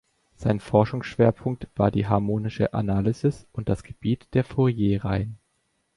Sein Forschungsschwerpunkt war die Harmonische Analysis und das Gebiet der Fourierreihen.